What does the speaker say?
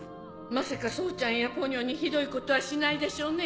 まさか宗ちゃんやポニョにひどいことはしないでしょうね？